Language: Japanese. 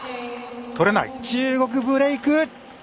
中国、ブレーク。